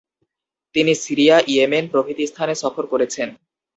তিনি Syria, Yemen প্রভৃতি স্থানে সফর করেছেন।